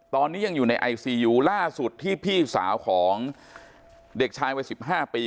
ตอนนี้ยังอยู่ในไอซียูล่าสุดที่พี่สาวของเด็กชายวัย๑๕ปี